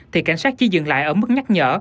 thì cảnh sát chỉ dừng lại ở mức nhắc nhở